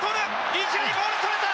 １塁ボールそれた！